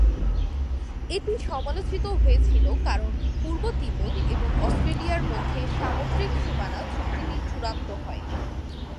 এটি সমালোচিত হয়েছিল কারণ পূর্ব তিমুর এবং অস্ট্রেলিয়ার মধ্যে সামুদ্রিক সীমানা চুক্তিটি চূড়ান্ত হয়নি।